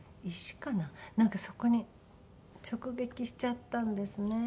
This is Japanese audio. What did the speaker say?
なんかそこに直撃しちゃったんですね。